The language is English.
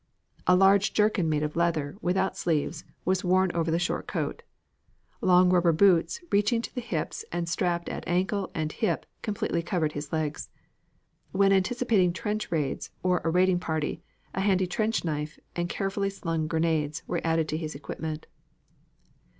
A large jerkin made of leather, without sleeves, was worn over the short coat. Long rubber boots reaching to the hips and strapped at ankle and hip completely covered his legs. When anticipating trench raids, or on a raiding party, a handy trench knife and carefully slung grenades were added to his equipment.